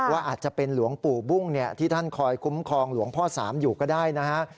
ว่าอาจจะเป็นหลวงปู่บุ้งที่ท่านคอยคุ้มครองหลวงพ่อสามอยู่ก็ได้นะฮะ